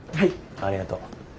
ありがとう。